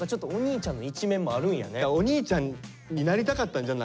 お兄ちゃんになりたかったんじゃん？